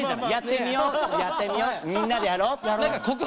みんなでやろう。